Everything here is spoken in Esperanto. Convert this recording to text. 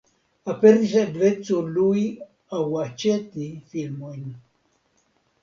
Aperis ebleco lui aŭ aĉeti filmojn.